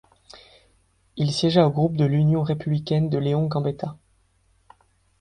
Il siégea au groupe de l'Union républicaine de Léon Gambetta.